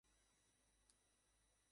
খুব মজা লাগবে।